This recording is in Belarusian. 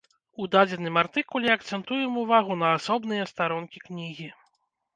У дадзеным артыкуле акцэнтуем увагу на асобныя старонкі кнігі.